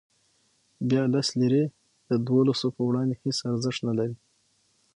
بیا لس لیرې د دولسو په وړاندې هېڅ ارزښت نه لري.